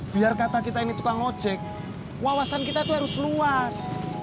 biar kata kita ini tukang ojek wawasan kita itu harus luas